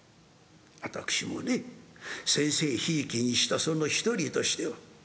私もね先生ひいきにしたその一人としてはえっ？